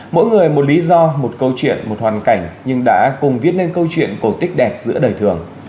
mỗi người một lý do một câu chuyện một hoàn cảnh nhưng đã cùng viết lên câu chuyện cổ tích đẹp giữa đời thường